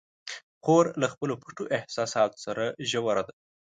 خور له خپلو پټو احساساتو سره ژوره ده.